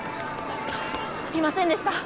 いませんでした。